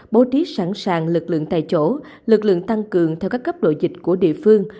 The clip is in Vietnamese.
bố trí sẵn sàng lực lượng tại chỗ lực lượng tăng cường theo các cấp độ dịch của địa phương